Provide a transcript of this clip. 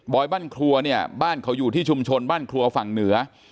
บ้านครัวเนี่ยบ้านเขาอยู่ที่ชุมชนบ้านครัวฝั่งเหนือ